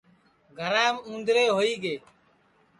گھرام اُوندرے ہوئی گے